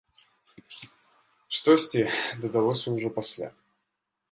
Штосьці дадалося ўжо пасля.